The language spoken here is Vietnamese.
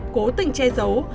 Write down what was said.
cố tình che giấu